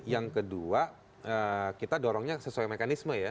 yang kedua kita dorongnya sesuai mekanisme ya